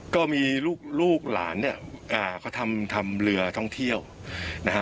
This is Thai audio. ก็มีลูกหลานเนี่ยเขาทำเลือต้องเที่ยวนะคะ